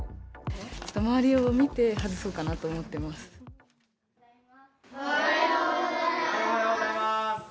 周りを見て外そうかなと思っおはようございます。